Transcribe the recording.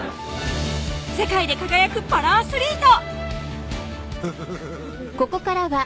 世界で輝くパラアスリート